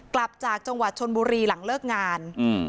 กลับจากจังหวัดชนบุรีหลังเลิกงานอืม